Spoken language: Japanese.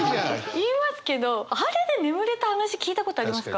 言いますけどあれで眠れた話聞いたことありますか？